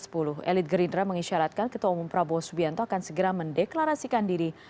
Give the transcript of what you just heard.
elit gerindra mengisyaratkan ketua umum prabowo subianto akan segera mendeklarasikan diri